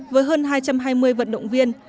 với hơn hai trăm hai mươi vận động viên